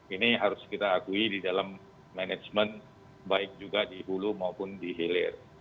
ini harus kita akui di dalam manajemen baik juga di hulu maupun di hilir